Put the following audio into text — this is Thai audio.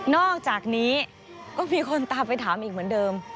อกจากนี้ก็มีคนตามไปถามอีกเหมือนเดิม